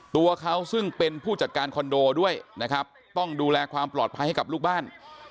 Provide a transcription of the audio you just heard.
ตัวเขาซึ่งเป็นผู้จัดการคอนโดด้วยนะครับต้องดูแลความปลอดภัยให้กับลูกบ้าน